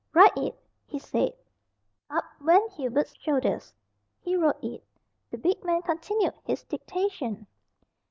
"Write it!" he said. Up went Hubert's shoulders he wrote it. The big man continued his dictation.